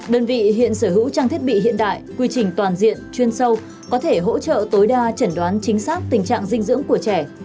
đơn vị hiện sở hữu trang thiết bị hiện đại quy trình toàn diện chuyên sâu có thể hỗ trợ tối đa chẩn đoán chính xác tình trạng dinh dưỡng của trẻ